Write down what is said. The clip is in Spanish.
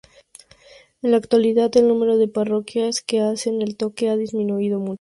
En la actualidad el número de parroquias que hacen el toque ha disminuido mucho.